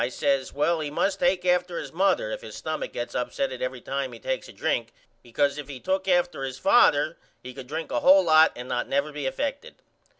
I says Well he must take after his mother if his stumach gets upsetted every time he takes a drink because if he took after his father he could drink a hole lot and not never be effected.